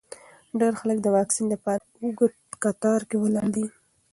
ډېر خلک د واکسین لپاره اوږده کتار کې ولاړ دي.